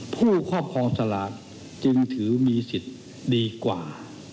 ครอบครองสลากจึงถือมีสิทธิ์ดีกว่า